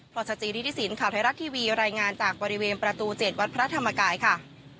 พลังชาติริทศิลป์ข่าวไทยรัฐทีวีรายงานจากบริเวณประตูเจ็ดวัดพระธรรมกายค่ะ